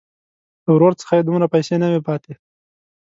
له ورور څخه یې دومره پیسې نه وې پاتې.